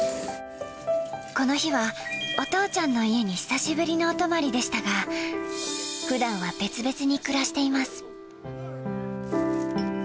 この日は、お父ちゃんの家に久しぶりのお泊まりでしたが、ふだんは別々に暮らしています。